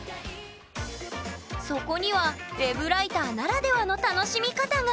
そこにはＷｅｂライターならではの楽しみ方が！